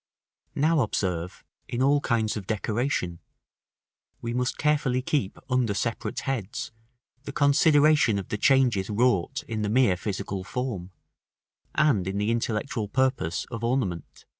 § VII. Now observe, in all kinds of decoration, we must keep carefully under separate heads, the consideration of the changes wrought in the mere physical form, and in the intellectual purpose of ornament.